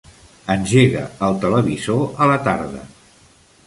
Engega el televisor a la tarda.